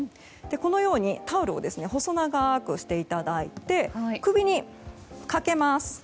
このようにタオルを細長くしていただいて首にかけます。